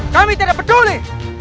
kami tidak peduli